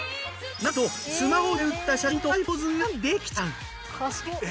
なんとスマホで写った写真と同じポーズができちゃう。